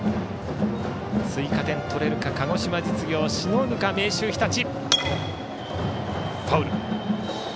追加点とれるか鹿児島実業しのぐか明秀日立。